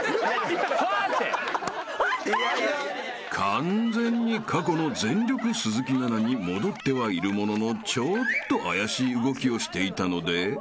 ［完全に過去の全力鈴木奈々に戻ってはいるもののちょっと怪しい動きをしていたので］